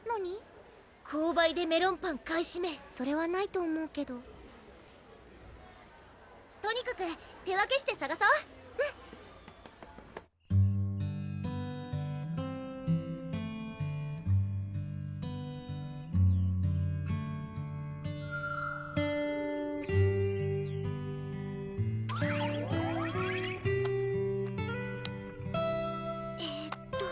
購買で「メロンパン」買いしめそれはないと思うけどとにかく手分けしてさがそううんえーっと